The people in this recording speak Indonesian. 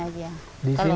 kalau ada tamu baru jual